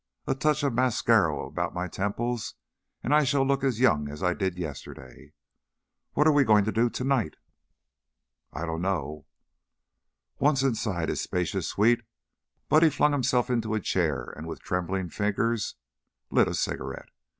A touch of mascaro about my temples and I shall look as young as I did yesterday. What are we going to do to night?" "I dunno." Once inside his spacious suite, Buddy flung himself into a chair and with trembling fingers lit a cigarette.